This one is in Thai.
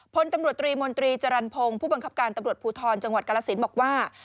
พลตำรวจตรีมนตรีจรรพงศ์ผู้บังคับการตำรวจภูทรจังหวัดกรสินบอกว่า